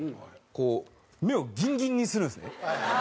こう目をギンギンにするんですね。